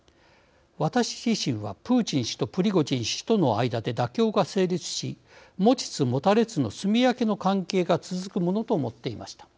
私自身は、プーチン氏とプリゴジン氏との間で妥協が成立し持ちつ持たれつのすみ分けの関係が続くものと思っていました。